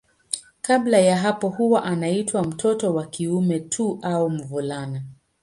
Kabla ya hapo huwa anaitwa mtoto wa kiume tu au mvulana.